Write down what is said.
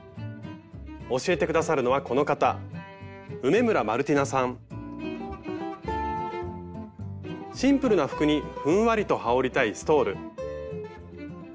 教えて下さるのはこの方シンプルな服にふんわりと羽織りたいストール。